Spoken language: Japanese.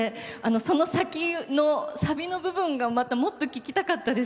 その先のサビの部分がもっと聴きたかったです。